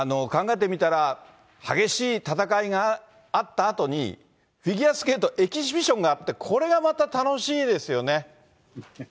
考えてみたら、激しい戦いがあったあとに、フィギュアスケート、エキシビションがあって、これがまた楽しいですよね。